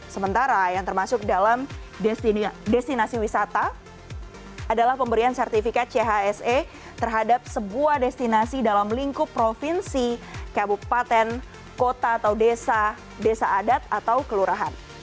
sementara yang termasuk dalam destinasi wisata adalah pemberian sertifikat chse terhadap sebuah destinasi dalam lingkup provinsi kabupaten kota atau desa adat atau kelurahan